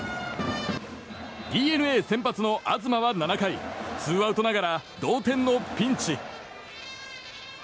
ＤｅＮＡ先発の東は７回ツーアウトながら同点のピンチ。